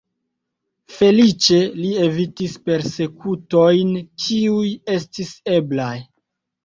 Feliĉe, li evitis persekutojn, kiuj estis eblaj.